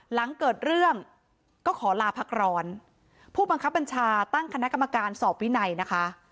หลังเกิดเรื่องก็ขอลาพักร้อนผู้บังคับบัญชาตั้งคณะกรรมการสอบวินัยนะคะ